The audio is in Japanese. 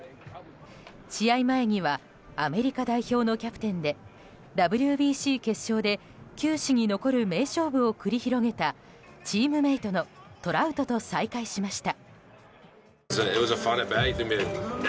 試合前にはアメリカ代表のキャプテンでＷＢＣ決勝で球史に残る名勝負を繰り広げたチームメートのトラウトと再会しました。